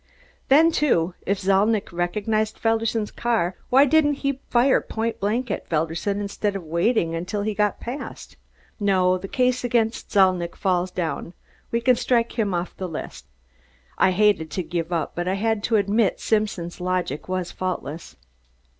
Then, too, if Zalnitch recognized Felderson's car, why didn't he fire point blank at Felderson instead of waiting till he got past? No! The case against Zalnitch falls down. We can strike him off the list." I hated to give him up, but I had to admit Simpson's logic was faultless.